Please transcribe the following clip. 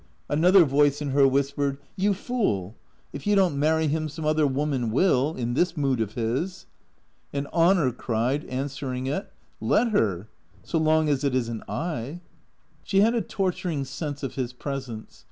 Another voice in her whispered, " You fool. If you don't marry him some other woman will — in this mood of his." And honour cried, answering it, " Let her. So long as it is n't I." She had a torturing sense of his presence.